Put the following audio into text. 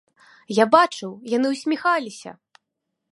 Я бачыў, яны ўсміхаліся!